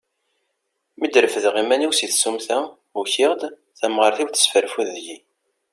Mi d-refdeɣ iman-iw si tsumta, ukiɣ-d, tamɣart-iw tesfarfud deg-i.